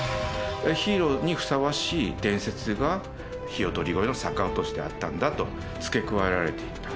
ヒーローにふさわしい伝説がひよどり越えの逆落としであったんだと付け加えられていった。